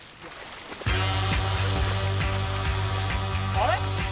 あれ？